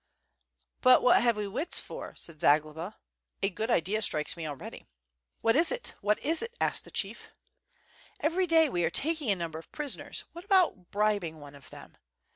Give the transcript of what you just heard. "But what have we wits for?" said Zagloba. "A good idea strikes me already.*' '^What is it, what is it?" asked the chief. *^very day we are taking a number of prisoners, what about bribing one of them?